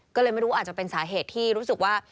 ก็เลยไม่รู้อาจจะเป็นสาเหตุที่รู้สึกว่า